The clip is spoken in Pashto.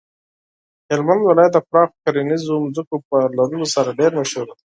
هلمند ولایت د پراخو کرنیزو ځمکو په لرلو سره ډیر مشهور دی.